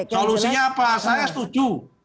solusinya apa saya setuju